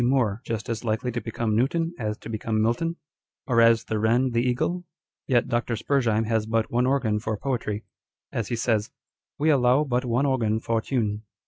Moore just as likely to become Newton as to become Milton ? Or as the wren the eagle ? Yet Dr. Spurzheim has but one organ for poetry, as he says â€" " We allow but one organ for tune."